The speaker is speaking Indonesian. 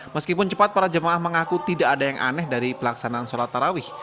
meskipun cepat para jemaah mengaku tidak ada yang aneh dari pelaksanaan sholat tarawih